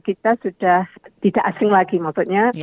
kita sudah tidak asing lagi maksudnya